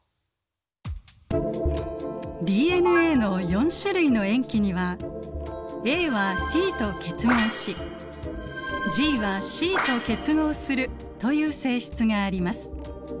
ＤＮＡの４種類の塩基にはＡはＴと結合しＧはＣと結合するという性質があります。